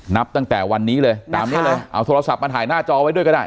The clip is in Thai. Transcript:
นับตั้งแต่วันนี้เลยตามนี้เลยเอาโทรศัพท์มาถ่ายหน้าจอไว้ด้วยก็ได้